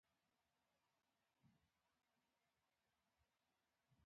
شربت د مېلمستیا برخه وي